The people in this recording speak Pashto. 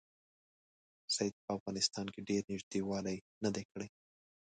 سید په افغانستان کې ډېر نیژدې والی نه دی کړی.